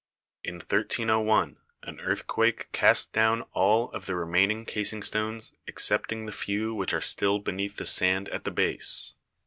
In 1301 an earthquake cast down all of the remaining casing stones excepting the few which are still beneath the sand at the base.